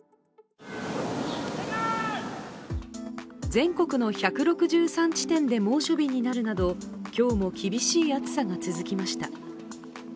全国の１６３地点で猛暑日になるなど今日も厳しい暑さが続きました。